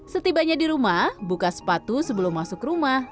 setibanya di rumah buka sepatu sebelum masuk rumah